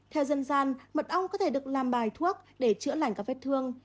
theo dân gian mật ong có thể được làm bài thuốc để chữa lành các vết thương